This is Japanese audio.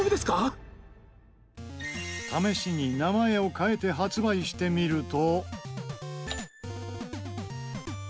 試しに名前を変えて発売してみると。